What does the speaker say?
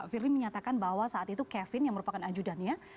firly menyatakan bahwa saat itu kevin yang merupakan ajudannya